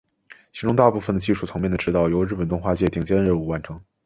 其中大部分的技术层面的指导由日本动画界顶尖人物完成。